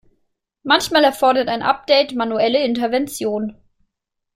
Manchmal erfordert ein Update manuelle Intervention.